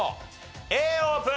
Ａオープン！